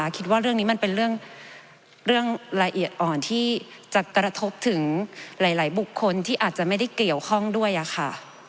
คิดว่าเรื่องนี้มันเป็นเรื่องละเอียดอ่อนที่จะกระทบถึงหลายบุคคลที่อาจจะไม่ได้เกี่ยวข้องด้วยค่ะ